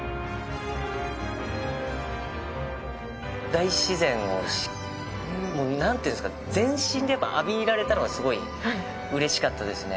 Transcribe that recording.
大自然を全身で浴びられたのがすごいうれしかったですね。